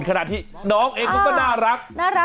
ขณะที่น้องเองก็มาน่ารัก